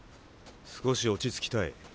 少し落ち着きたい。